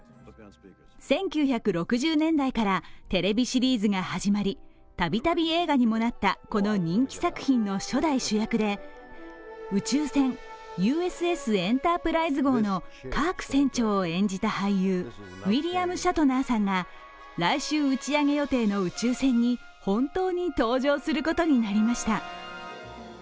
１９６０年代からテレビシリーズが始まり度々映画にもなったこの人気作品の初代主役で宇宙船「ＵＳＳエンタープライズ号」のカーク船長を演じた俳優ウィリアム・シャトナーさんが、来週打ち上げ予定の宇宙船に本当に搭乗することになりました。